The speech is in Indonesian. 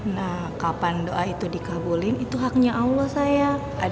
nah kapan doa itu dikabulin itu haknya allah saya